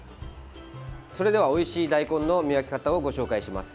おいしい大根の見分け方をご紹介します。